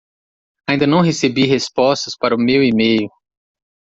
Ainda não recebi respostas para o meu email.